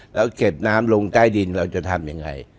แล้วเก็บน้ำลงใต้ดินเราจะทำยังไง